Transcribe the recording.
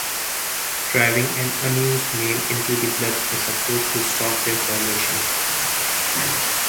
Driving an unused nail into the blood was supposed to stop their formation.